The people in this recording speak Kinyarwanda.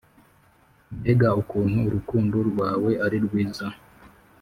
Mbega ukuntu urukundo rwawe ari rwiza,